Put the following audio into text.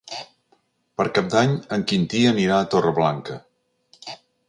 Per Cap d'Any en Quintí anirà a Torreblanca.